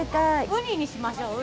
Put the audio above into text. ウニにしましょう。